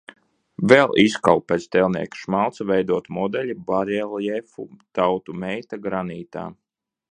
"Vēl izkalu, pēc tēlnieka Šmalca veidota modeļa, bareljefu "Tautu meita", granītā."